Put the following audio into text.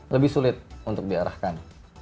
lebih sulit untuk diarahkan